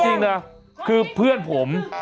จริงนะคือเพื่อนผม